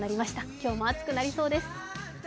今日も暑くなりそうです。